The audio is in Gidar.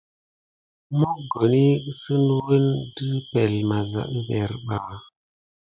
Mokoni kiskule wune de epəŋle misa wuvere ɓa askilan.